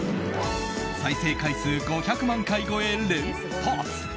再生回数５００万回超え連発。